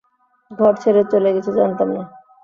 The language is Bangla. ঘর ছেড়ে চলে গেছে জানতাম না।